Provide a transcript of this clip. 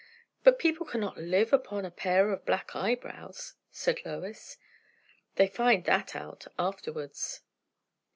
"But people cannot live upon a pair of black eyebrows," said Lois. "They find that out afterwards."